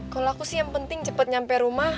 kalau aku sih yang penting cepat nyampe rumah